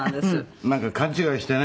なんか勘違いしてね。